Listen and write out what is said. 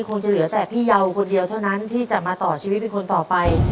คงจะเหลือแต่พี่เยาคนเดียวเท่านั้นที่จะมาต่อชีวิตเป็นคนต่อไป